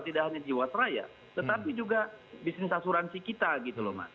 tidak hanya jiwasraya tetapi juga bisnis asuransi kita gitu loh mas